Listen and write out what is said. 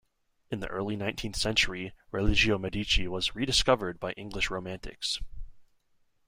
In the early nineteenth century "Religio Medici" was "re-discovered" by the English Romantics.